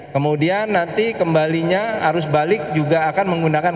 kemudian nanti kembalinya arus balik juga akan menggunakan